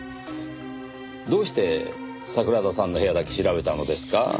どうして桜田さんの部屋だけ調べたのですか？